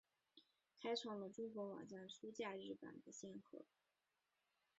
开创了中国网站出假日版的先河。